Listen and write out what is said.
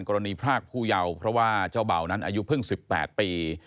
พรากผู้เยาว์เพราะว่าเจ้าเบานั้นอายุเพิ่ง๑๘ปี